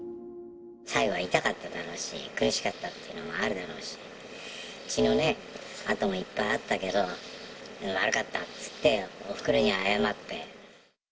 最後は痛かっただろうし、苦しかったっていうのもあるだろうし、血の跡もいっぱいあったけど、悪かったっつって、おふくろに謝って。